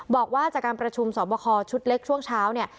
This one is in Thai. บอกว่าจากการประชุมสอบคอชุดเล็กช่วงเช้าเนี่ย